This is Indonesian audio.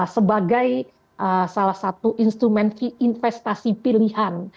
sebagai salah satu instrumen investasi pilihan